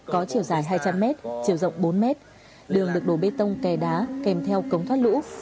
có chiều dài hai trăm linh mét chiều rộng bốn mét đường được đổ bê tông kè đá kèm theo cống thoát lũ